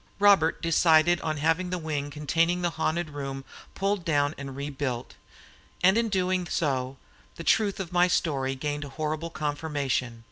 Robert decided on having the wing containing the haunted room pulled down and rebuilt, and in doing so the truth of my story gained a horrible confirmation.